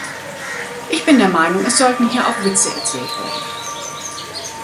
Ich bin der Meinung, es sollten hier auch Witze erzählt werden.